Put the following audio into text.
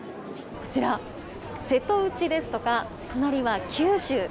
こちら、瀬戸内ですとか隣は九州。